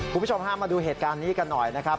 คุณผู้ชมพามาดูเหตุการณ์นี้กันหน่อยนะครับ